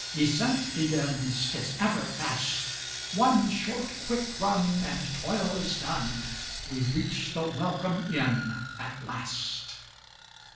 Descent begins, 't is ever fast—One short quick run, and toil is done, We reach the welcome inn at last.